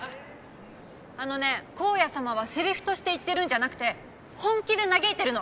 あのね光矢様はセリフとして言ってるんじゃなくて本気で嘆いてるの。